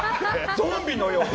ゾンビのように。